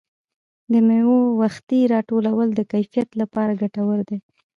د مېوو وختي راټولول د کیفیت لپاره ګټور دي.